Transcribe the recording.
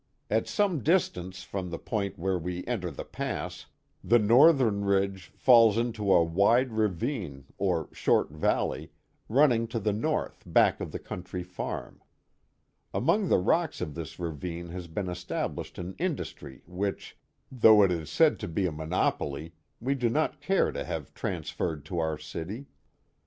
At some distance from the point where we enter the pass, the northern ridge falls away Canajoharie — The Hills of Florida 381 into a wide ravine, or short valley, running to the north back of the county farm. Among the rocks of this ravine has been established an industry which, though it is said to be a monopoly, we do not care to have transferred to our city.